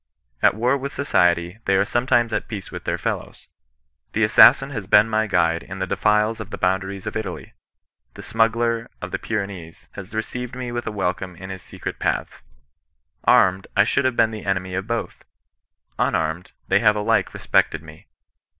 At war with society, they are sometimes at peace with their fellows. The assassin has been my guide in the defiles of the boundaries of Italy ; the smuggler of the Pyrenees has received me with a welcome in his secret paths. Armed, I should have been the enemy of both ; unarmed, they have alike respected me.